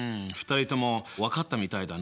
２人とも分かったみたいだな。